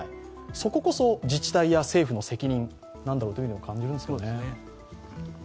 そここそ自治体や政府の責任と感じるんですけどね。